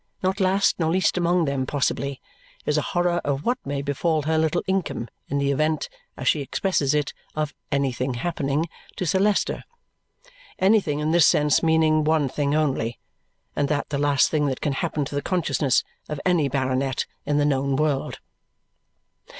Not last nor least among them, possibly, is a horror of what may befall her little income in the event, as she expresses it, "of anything happening" to Sir Leicester. Anything, in this sense, meaning one thing only; and that the last thing that can happen to the consciousness of any baronet in the known world.